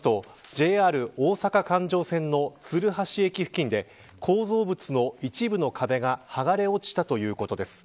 ＪＲ大阪環状線の鶴橋駅付近で構造物の一部の壁がはがれ落ちたということです。